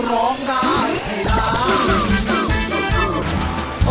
ร้องค่ะไอ้ค่ะ